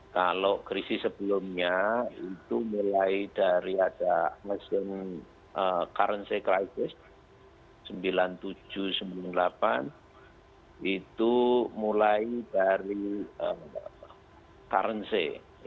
kalau krisis sebelumnya itu mulai dari ada currency crisis sembilan puluh tujuh sembilan puluh delapan itu mulai dari currency